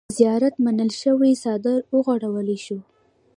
په زيارت منلے شوے څادر اوغوړولے شو۔